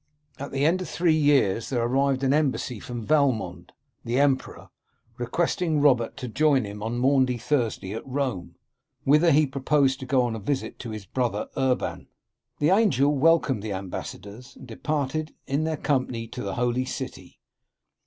At the end of three years there arrived an embassy from Valmond, the emperor, requesting Robert to join him on Maundy Thursday, at Rome, whither he proposed to go on a visit to his brother Urban. The angel welcomed the ambassadors, and departed in their company to the Holy City.